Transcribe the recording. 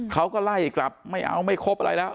เขาก็ไล่กลับไม่เอาไม่ครบอะไรแล้ว